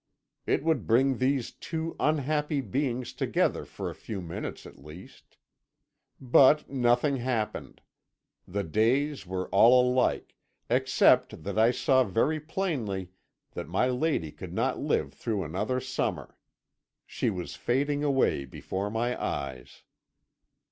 It would bring these two unhappy beings together for a few minutes at least. But nothing happened; the days were all alike, except that I saw very plainly that my lady could not live through another summer. She was fading away before my eyes.